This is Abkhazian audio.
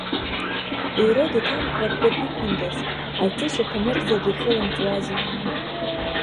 Ирод еиҭамҳәа кыр иқәындаз, аҵеи шьаҭамырӡга дихылымҵуази!